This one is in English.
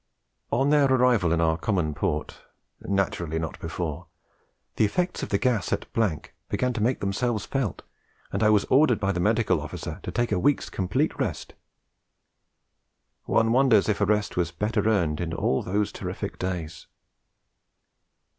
On their arrival in our common port, naturally not before, 'the effects of the gas at began to make themselves felt, and I was ordered by the Medical Officer to take a week's complete rest.' One wonders if a rest was better earned in all those terrific days.